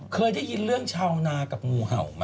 เคยได้ยินเรื่องชาวนากับงูเห่าไหม